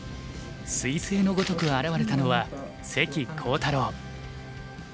すい星のごとく現れたのは関航太郎。